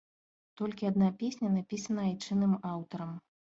Толькі адна песня напісана айчынным аўтарам.